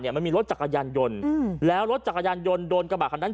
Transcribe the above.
มันมีรถจักรยานยนต์แล้วรถจักรยานยนต์โดนกระบาดคันนั้น